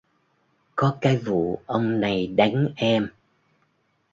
Có cái vụ ông này đánh em